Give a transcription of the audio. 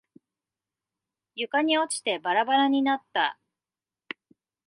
床に落ちてバラバラになった。